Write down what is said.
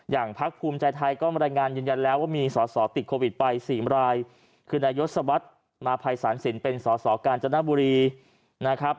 พักภูมิใจไทยก็มารายงานยืนยันแล้วว่ามีสอสอติดโควิดไป๔รายคือนายศวรรษมาภัยศาลสินเป็นสอสอกาญจนบุรีนะครับ